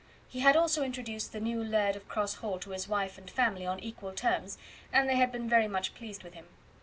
He had also introduced the new laird of Cross Hall to his wife and family on equal terms, and they had been very much pleased with him.